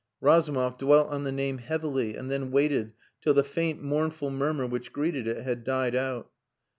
Razumov dwelt on the name heavily, and then waited till the faint, mournful murmur which greeted it had died out.